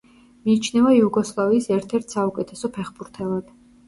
მიიჩნევა იუგოსლავიის ერთ-ერთ საუკეთესო ფეხბურთელად.